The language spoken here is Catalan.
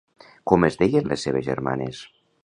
Com es deien les seves germanes?